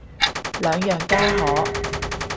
兩樣皆可